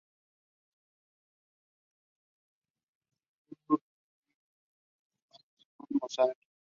Su repertorio incluye obras de Mahler, Schoenberg, Mozart, de Falla, Debussy, Berlioz y Barber.